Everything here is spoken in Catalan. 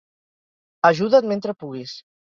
Ajuda't mentre puguis.